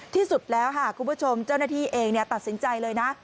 ที่สุดแล้วค่ะคุณผู้ชมเจ้าหน้าที่เองตัดสินใจเลยนะ